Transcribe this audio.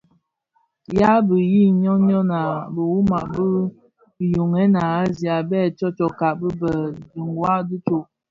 Ba yibi ňyon ňyon a biwuma bi yughèn ya Azia bè tsotsoka bō bi dhiwa di tsog.